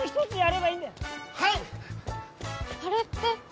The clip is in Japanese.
あれって。